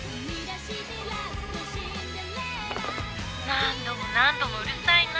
何度も何度もうるさいな。